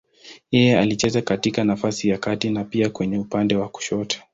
Yeye alicheza katika nafasi ya kati na pia kwenye upande wa kushoto.